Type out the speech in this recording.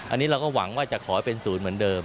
อันนี้เราก็หวังว่าจะขอให้เป็นศูนย์เหมือนเดิม